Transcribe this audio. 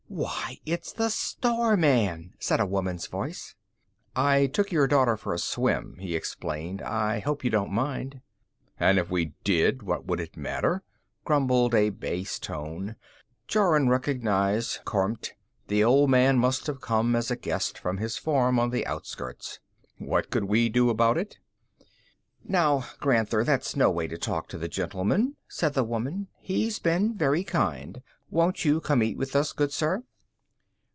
"Why, it's the star man," said a woman's voice. "I took your daughter for a swim," he explained. "I hope you don't mind." "And if we did, what would it matter?" grumbled a bass tone. Jorun recognized Kormt; the old man must have come as a guest from his farm on the outskirts. "What could we do about it?" "Now, Granther, that's no way to talk to the gentleman," said the woman. "He's been very kind. Won't you come eat with us, good sir?"